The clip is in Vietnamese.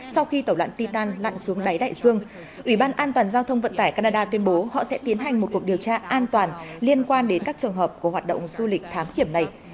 sau khi tàu loạn di tan lặn xuống đáy đại dương ủy ban an toàn giao thông vận tải canada tuyên bố họ sẽ tiến hành một cuộc điều tra an toàn liên quan đến các trường hợp của hoạt động du lịch thám hiểm này